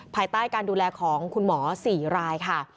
ภายใต้การดูแลของคุณหมอ๔รายค่ะ